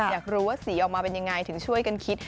อยากรู้ว่าสีออกมาเป็นยังไงถึงช่วยกันคิด